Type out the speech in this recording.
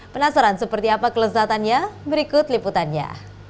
penasaran seperti apa kelezatannya berikut liputannya